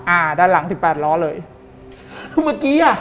อ่าด้านหลังสิบแปดล้อเลยคือเมื่อกี้อ่ะ